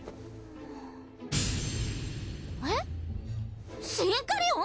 えっシンカリオン！？